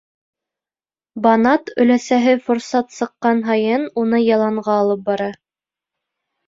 Банат өләсәһе форсат сыҡҡан һайын уны яланға алып бара.